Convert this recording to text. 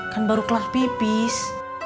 kan baru kelas pipis